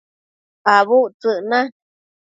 Abudtsëc na